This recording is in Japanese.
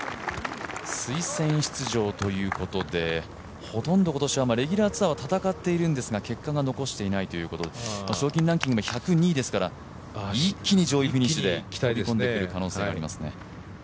推薦出場ということでほとんど今年はレギュラーツアーは戦っているんですが、結果を残していないということで、賞金ランキングは１０２位ですから一気に上位フィニッシュで食い込んでくるかもしれないですね。